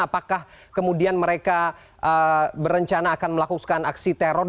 apakah kemudian mereka berencana akan melakukan aksi teror